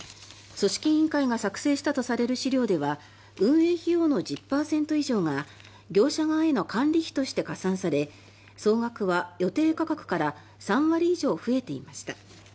組織委員会が作成したとされる資料では運営費用の１０％以上が業者側への管理費として加算され総額は予定価格から３割以上増えていました。